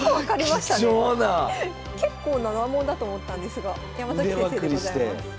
結構な難問だと思ったんですが山崎先生でございます。